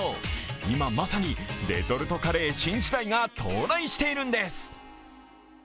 今まさにレトルトカレー新時代が到来しているんです。